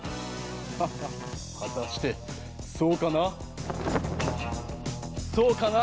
ハッハハはたしてそうかな？そうかな？